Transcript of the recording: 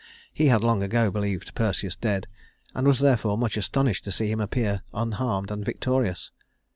He had long ago believed Perseus dead, and was therefore much astonished to see him appear unharmed and victorious.